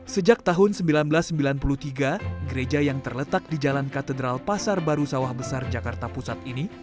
sejak tahun seribu sembilan ratus sembilan puluh tiga gereja yang terletak di jalan katedral pasar baru sawah besar jakarta pusat ini